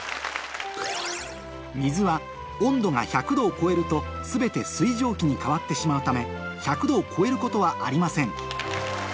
水は温度が１００度を超えると全て水蒸気に変わってしまうため１００℃を超えることはありません